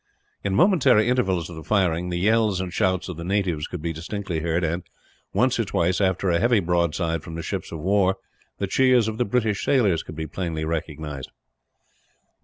In momentary intervals of the firing, the yells and shouts of the natives could be distinctly heard and, once or twice, after a heavy broadside from the ships of war, the cheers of the British sailors could be plainly recognized.